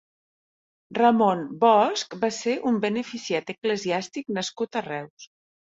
Ramon Bosc va ser un beneficiat eclesiàstic nascut a Reus.